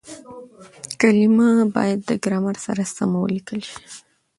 کليمه بايد د ګرامر سره سمه وليکل سي.